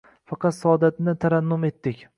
Faqat saodatni tarannum etdik.